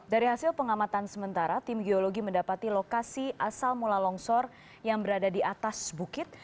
dari hasil pengamatan sementara tim geologi mendapati lokasi asal mula longsor yang berada di atas bukit